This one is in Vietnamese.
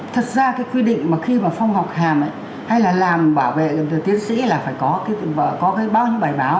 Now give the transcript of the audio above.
thật ra cái quyết định mà khi mà phong học hàm ấy hay là làm bảo vệ tiến sĩ là phải có cái báo những bài báo